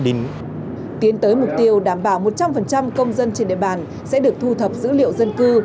tiến tới mục tiêu đảm bảo một trăm linh công dân trên địa bàn sẽ được thu thập dữ liệu dân cư